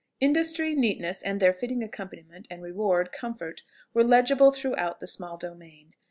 Industry, neatness, and their fitting accompaniment and reward, comfort, were legible throughout the small domain.